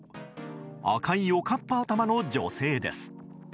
赤いおかっぱ頭の女性です。